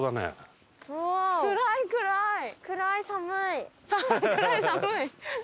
暗い寒い！